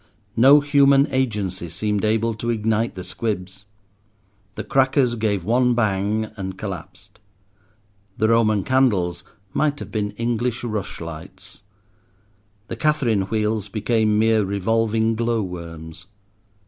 No human agency seemed able to ignite the squibs. The crackers gave one bang and collapsed. The Roman candles might have been English rushlights. The Catherine wheels became mere revolving glow worms.